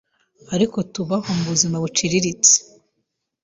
ariko tubaho mu buzima buciriritse